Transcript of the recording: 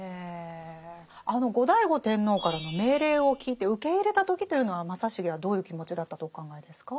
あの後醍醐天皇からの命令を聞いて受け入れた時というのは正成はどういう気持ちだったとお考えですか？